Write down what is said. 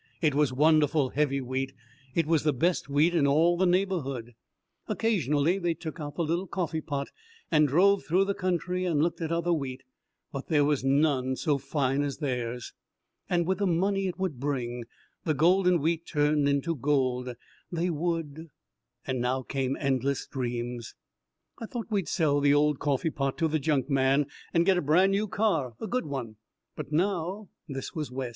It was wonderful heavy wheat. It was the best wheat in all the neighbourhood. Occasionally they took out the little coffeepot and drove through the country and looked at other wheat, but there was none so fine as theirs. And with the money it would bring the golden wheat turned into gold they would And now came endless dreams. "I thought we'd sell the old coffeepot to the junkman and get a brand new car, a good one, but now " This was Wes.